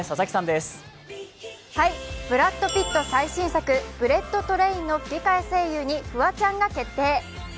ブラッド・ピット最新作「ブレット・トレイン」の吹き替え声優にフワちゃんが決定。